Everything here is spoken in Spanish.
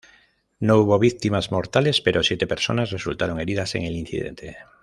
No hubo víctimas mortales, pero siete personas resultaron heridas en el incidente.